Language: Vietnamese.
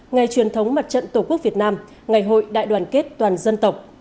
ngày truyền thống mặt trận tổ quốc việt nam ngày hội đại đoàn kết toàn dân tộc